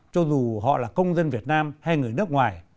cho dù họ là công dân việt nam hay người nước ngoài